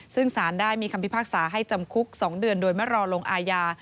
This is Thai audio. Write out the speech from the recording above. ซึ่งสารได้มีคำพิพากษาให้จำคุก๒เดือนโดยไม่รอลงอาญา